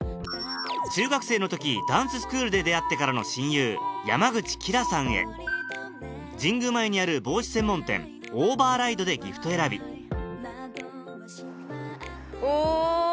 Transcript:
中学生の時ダンススクールで出会ってからの親友山口綺羅さんへ神宮前にある帽子専門店ＯＶＥＲＲＩＤＥでギフト選びおぉ！